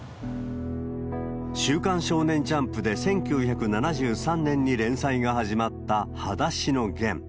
週刊少年ジャンプで１９７３年に連載が始まった、はだしのゲン。